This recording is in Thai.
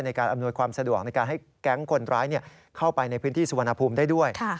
อำนวยความสะดวกในการให้แก๊งคนร้ายเข้าไปในพื้นที่สุวรรณภูมิได้ด้วย